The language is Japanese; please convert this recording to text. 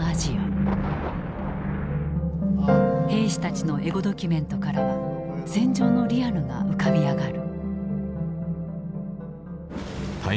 兵士たちのエゴドキュメントからは戦場のリアルが浮かび上がる。